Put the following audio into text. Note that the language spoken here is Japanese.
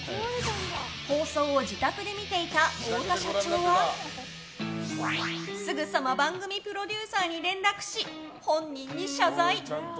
放送を自宅で見ていた太田社長はすぐさま番組プロデューサーに連絡し本人に謝罪。